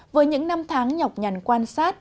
với những năm tháng nhọc nhằn quan sát